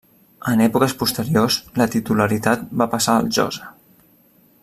En èpoques posteriors la titularitat va passar als Josa.